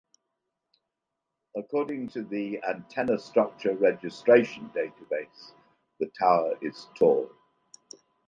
According to the Antenna Structure Registration database, the tower is tall.